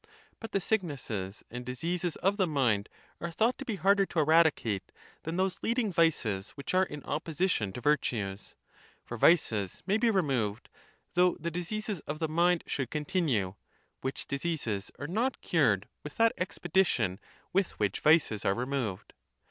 But the sicknesses and diseases of the mind are thought to be harder to eradicate than those leading vices which are in opposition to virtues; for vices may be removed, though the diseases of the mind should continue, which diseases are not cured with that expedition with which vices are removed.